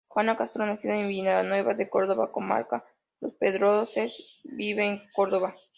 Juana Castro, nacida en Villanueva de Córdoba, comarca Los Pedroches, vive en Córdoba.